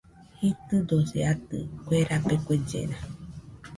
Jitɨdosi atɨ, kue rabe kuellena